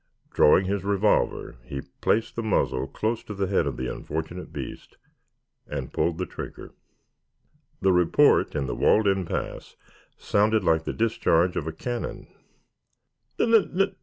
Drawing his revolver he placed the muzzle close to the head of the unfortunate beast and pulled the trigger. The report, in the walled in pass, sounded like the discharge of a cannon.